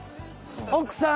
奥さん！